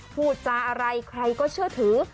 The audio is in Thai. พูดจาอะไรใครก็เชื่อถือ